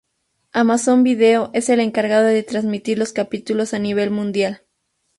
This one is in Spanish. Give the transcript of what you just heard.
Amazon Video es el encargado de transmitir los capítulos a nivel mundial.